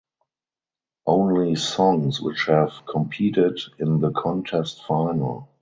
Only songs which have competed in the contest final.